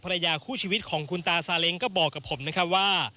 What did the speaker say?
ภรรยาคู่ชีวิตของคุณตาซาเล้งก็บอกกับผมนะครับว่า